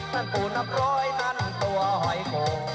นั่นปู่นับร้อยนั้นตัวหอยโก